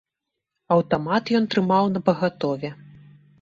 Аўтамат ён трымаў напагатове.